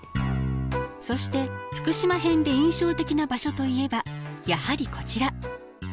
そして福島編で印象的な場所といえばやはりこちら。